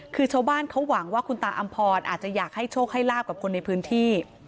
คือชาวบ้านเขาหวังว่าคุณตาอำพรอาจจะอยากให้โชคให้ลาบกับคนในพื้นที่